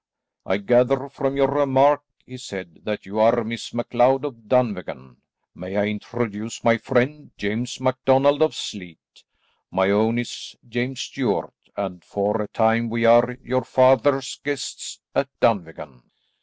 "I gather from your remark," he said, "that you are Miss MacLeod of Dunvegan. May I introduce my friend, James MacDonald of Sleat. My own name is James Stuart, and for a time we are your father's guests at Dunvegan."